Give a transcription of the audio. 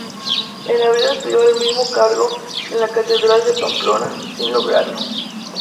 En abril aspiró al mismo cargo en la Catedral de Pamplona, sin lograrlo.